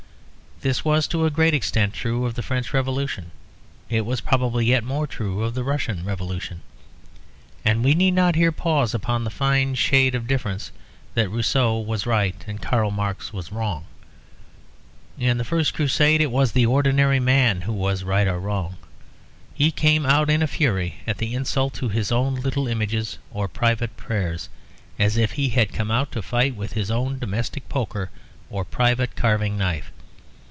This was to a great extent true of the French Revolution; it was probably yet more true of the Russian Revolution; and we need not here pause upon the fine shade of difference that Rousseau was right and Karl Marx was wrong. In the First Crusade it was the ordinary man who was right or wrong. He came out in a fury at the insult to his own little images or private prayers, as if he had come out to fight with his own domestic poker or private carving knife.